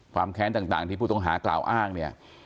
แค้นต่างที่ผู้ต้องหากล่าวอ้างเนี่ย